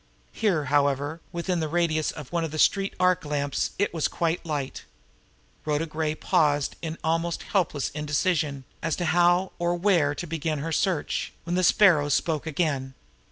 Here, however, within the radius of one of the street arc lamps it was quite light. Rhoda Gray had paused in almost hopeless indecision as to how or where to begin her search, when the Sparrow spoke again.